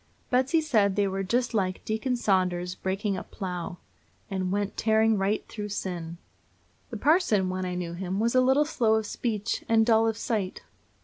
Betsy said they were just like Deacon Saunders's breaking up plough, "and went tearing right through sin." The parson, when I knew him, was a little slow of speech and dull of sight.